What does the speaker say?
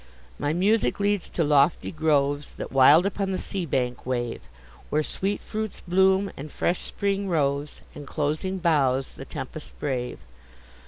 My music leads to lofty groves, That wild upon the sea bank wave; Where sweet fruits bloom, and fresh spring roves, And closing boughs the tempest brave.